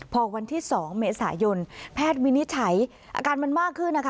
พอวันที่๒เมษายนแพทย์วินิจฉัยอาการมันมากขึ้นนะคะ